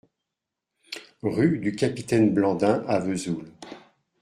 Rue du Capitaine Blandin à Vesoul